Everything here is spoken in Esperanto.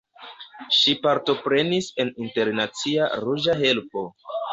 Ŝi partoprenis en Internacia Ruĝa Helpo.